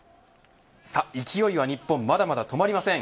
勢いはまだまだ止まりません。